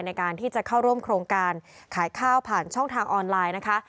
ในการที่จะเข้าร่วมโครงการขายข้าวผ่านช่องทางออนไลน์นะคะ